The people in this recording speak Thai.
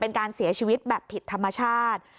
เป็นการเสียชีวิตแบบผิดธรรมชาติ